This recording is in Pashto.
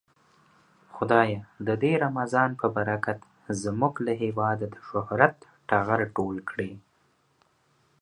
خدايه د دې رمضان په برکت زمونږ له هيواده د شهرت ټغر ټول کړې.